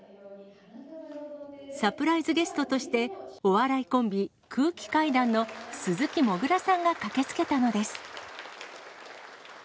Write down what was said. サプライズゲストとしてお笑いコンビ、空気階段の鈴木もぐらさんが駆けつけたのです。